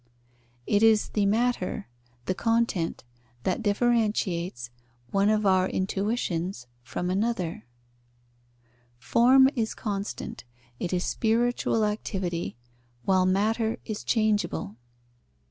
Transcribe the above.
It is the matter, the content, that differentiates one of our intuitions from another: form is constant: it is spiritual activity, while matter is changeable.